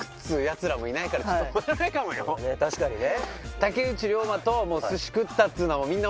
確かにね。